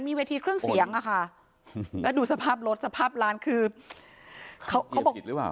เวทีเครื่องเสียงอะค่ะแล้วดูสภาพรถสภาพร้านคือเขาเขาบอกผิดหรือเปล่า